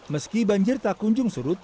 meski banjir tak kunjung surut